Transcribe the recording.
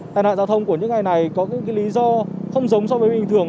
tai nạn giao thông của những ngày này có lý do không giống so với bình thường